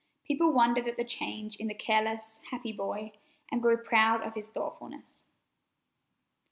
People wondered at the change in the careless, happy boy, and grew proud of his thoughtfulness.